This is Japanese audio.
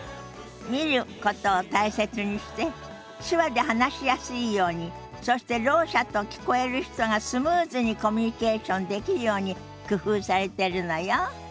見ることを大切にして手話で話しやすいようにそしてろう者と聞こえる人がスムーズにコミュニケーションできるように工夫されてるのよ。